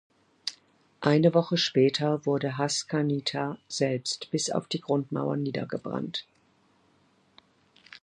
Eine Woche später wurde Haskanita selbst bis auf die Grundmauern niedergebrannt.